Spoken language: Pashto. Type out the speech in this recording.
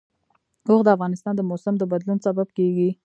اوښ د افغانستان د موسم د بدلون سبب کېږي.